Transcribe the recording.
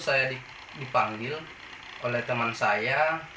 saya dipanggil oleh teman saya